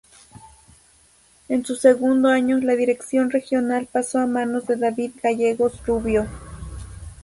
En su segundo año, la Dirección Regional pasó a manos de David Gallegos Rubio.